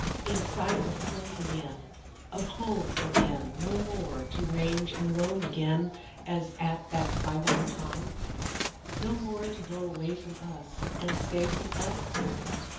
In sight of home again, Of home again; No more to range and roam again As at that bygone time? No more to go away from us And stay from us?